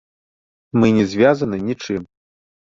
Мы не звязаны нічым.